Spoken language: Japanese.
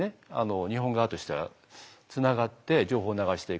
日本側としてはつながって情報を流していく。